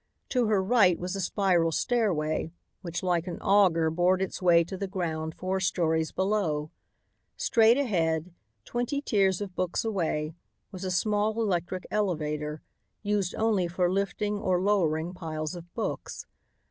To her right was a spiral stairway which like an auger bored its way to the ground four stories below. Straight ahead, twenty tiers of books away, was a small electric elevator, used only for lifting or lowering piles of books.